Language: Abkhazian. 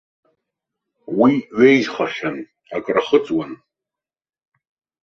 Уи ҩежьхахьан, акры ахыҵуан.